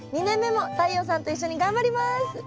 ２年目も太陽さんと一緒に頑張ります。